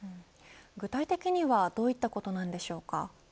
具体的にはどういったことなんでしょうか。